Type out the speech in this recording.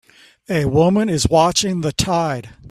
A woman is watching the tide